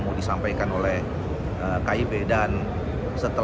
nah ini sama juga dengan koalisi indonesia bersatu sebagai koalisi yang telah terbentuk sejak awal